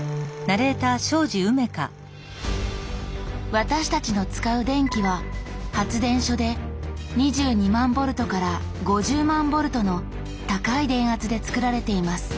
私たちの使う電気は発電所で２２万ボルトから５０万ボルトの高い電圧で作られています。